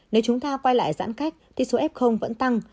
nếu chúng ta quay lại giãn cách thì số ép không vẫn tăng